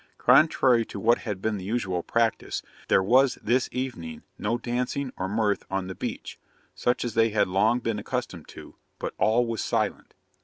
Contrary to what had been the usual practice, there was this evening no dancing or mirth on the beach, such as they had long been accustomed to, but all was silent.